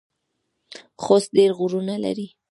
خوست ډیر غرونه لري